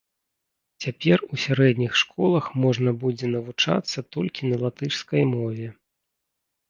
Цяпер у сярэдніх школах можна будзе навучацца толькі на латышскай мове.